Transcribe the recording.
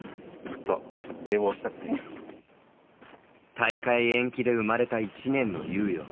大会延期で生まれた１年の猶予。